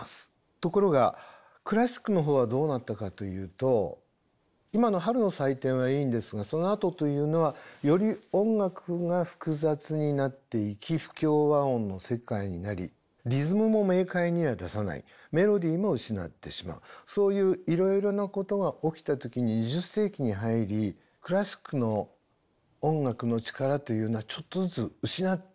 ところがクラシックのほうはどうなったかというと今の「春の祭典」はいいんですがそのあとというのはより音楽が複雑になっていき不協和音の世界になりリズムも明快には出さないメロディーも失ってしまうそういういろいろなことが起きた時に２０世紀に入りクラシックの音楽の力というのはちょっとずつ失っていったわけです。